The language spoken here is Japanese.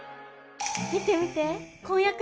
見て見て。